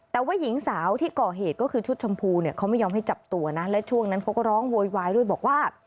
แต่ว่าหญิงสาวที่ก่อเหตุก็คือชุดชมพูเนี่ยเขาไม่ยอมให้จับตัวนะและช่วงนั้นเขาก็ร้องโวยวายด้วยบอกว่า